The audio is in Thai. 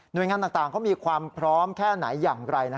โดยงานต่างเขามีความพร้อมแค่ไหนอย่างไร